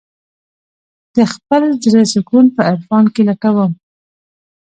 د خپل زړه سکون په عرفان کې لټوم.